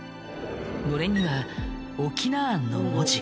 のれんには「翁庵」の文字が。